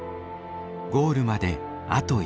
ゴールまであと一歩。